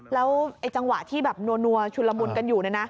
แล้วจังหวะที่แบบนัวชุนละมุนกันอยู่